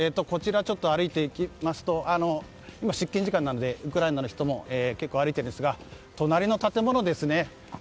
歩いていきますと今、出勤時間なのでウクライナの人も結構歩いているんですが隣の建物ですね。